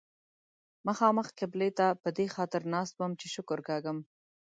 مخامخ قبلې ته په دې خاطر ناست وم چې شکر کاږم.